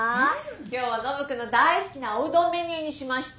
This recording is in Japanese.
今日はノブ君の大好きなおうどんメニューにしました。